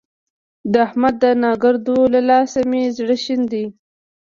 د احمد د ناکړدو له لاسه مې زړه شين دی.